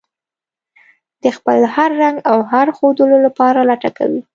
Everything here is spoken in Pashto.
د خپل هر رنګ او هر مخ ښودلو لپاره لټه کوي.